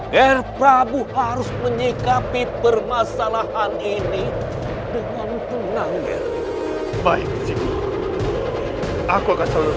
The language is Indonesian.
ger prabowo harus menyikapi permasalahan ini dengan menggunakan amarah ger